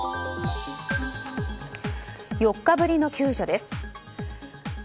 ４日ぶりの救助です。